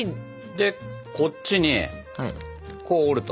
でこっちにこう折ると。